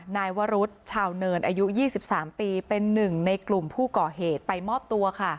นายวรุษชาวเนินอายุ๒๓ปีเป็นหนึ่งในกลุ่มผู้ก่อเหตุไปมอบตัวค่ะ